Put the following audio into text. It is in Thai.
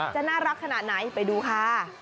จะน่ารักขนาดไหนไปดูค่ะ